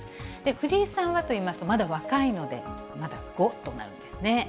藤井さんはといいますと、まだ若いので、まだ５となるんですね。